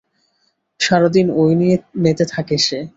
সারাদিন ওই নিয়ে মেতে থাকে সে।